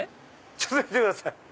ちょっと見てください！